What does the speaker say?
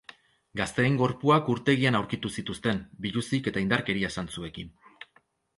Gazteen gorpuak urtegian aurkitu zituzten, biluzik eta indarkeria zantzuekin.